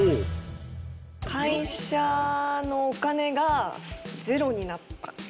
会社のお金がゼロになった。